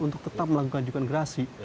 untuk tetap melakukan juga gerasi